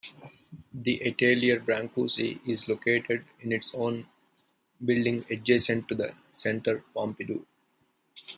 The Atelier Brancusi is located in its own building adjacent to the Centre Pompidou.